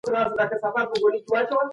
ښاغلی عزیز په پای کي داسي پایله اخلي: